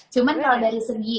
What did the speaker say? cuman kalau dari segi